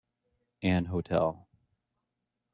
An hotel.